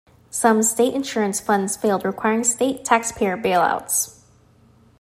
Some state insurance funds failed, requiring state taxpayer bailouts.